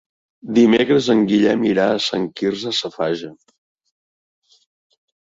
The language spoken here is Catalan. Dimecres en Guillem irà a Sant Quirze Safaja.